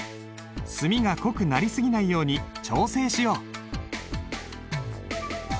墨が濃くなり過ぎないように調整しよう。